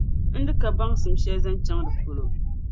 N di ka baŋsim shεli zaŋ chaŋ di polo.